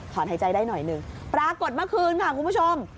หายใจได้หน่อยหนึ่งปรากฏเมื่อคืนค่ะคุณผู้ชม